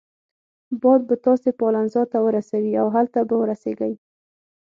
باد به تاسي پالنزا ته ورسوي او هلته به ورسیږئ.